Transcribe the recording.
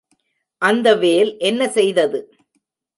அந்த வேல் என்ன செய்தது?